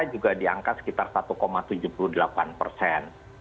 juga diangkat sekitar satu tujuh puluh delapan persen